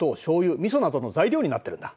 みそなどの材料になってるんだ。